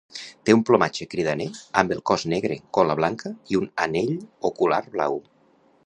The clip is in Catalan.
Té un plomatge cridaner amb el cos negre, gola blanca i un anell ocular blau.